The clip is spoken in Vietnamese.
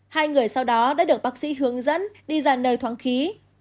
hai người sau đó đã được bác sĩ hướng dẫn đi ra nơi thoáng khí